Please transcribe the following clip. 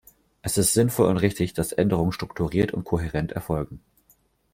Es ist sinnvoll und richtig, dass Änderungen strukturiert und kohärent erfolgen.